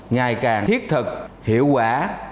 ngày càng thiết thực hiệu quả